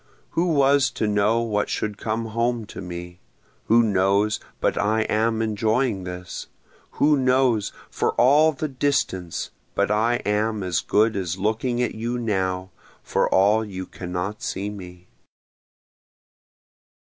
Who was to know what should come home to me? Who knows but I am enjoying this? Who knows, for all the distance, but I am as good as looking at you now, for all you cannot see me?